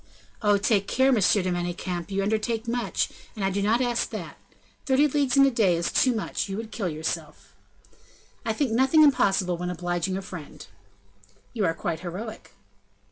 "Oh! take care! Monsieur de Manicamp; you undertake much, and I do not ask that. Thirty leagues in a day is too much, you would kill yourself." "I think nothing impossible when obliging a friend." "You are quite heroic."